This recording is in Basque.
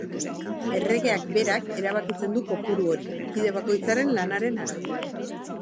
Erregeak berak erabakitzen du kopuru hori, kide bakoitzaren lanaren arabera.